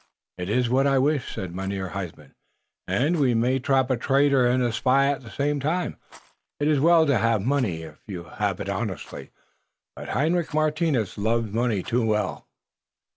"It iss what I wish," said Mynheer Huysman, "und we may trap a traitor und a spy at the same time. It is well to haf money if you haf it honestly, but Hendrik Martinus loves money too well."